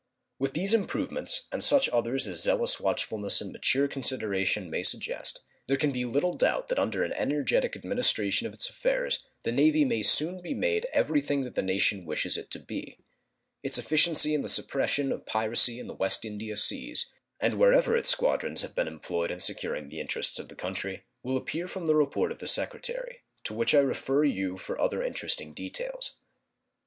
With these improvements, and such others as zealous watchfulness and mature consideration may suggest, there can be little doubt that under an energetic administration of its affairs the Navy may soon be made every thing that the nation wishes it to be. Its efficiency in the suppression of piracy in the West India seas, and wherever its squadrons have been employed in securing the interests of the country, will appear from the report of the Secretary, to which I refer you for other interesting details.